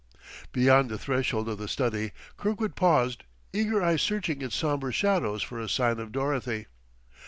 Beyond the threshold of the study, Kirkwood paused, eager eyes searching its somber shadows for a sign of Dorothy.